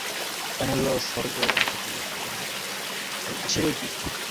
অমূল্য সগর্বে মাথা তুলে বললে, আছে বৈকি।